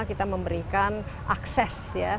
kita memberikan akses